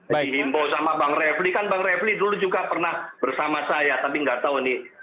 dihimbau sama bang refli kan bang refli dulu juga pernah bersama saya tapi nggak tahu nih